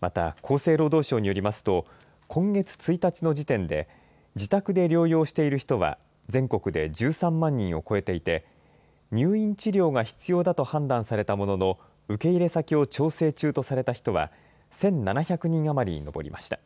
また、厚生労働省によりますと、今月１日の時点で、自宅で療養している人は、全国で１３万人を超えていて、入院治療が必要だと判断されたものの、受け入れ先を調整中とされた人は１７００人余りに上りました。